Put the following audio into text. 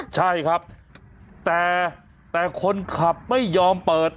ใช่ครับแต่คนขับไม่ยอมเปิด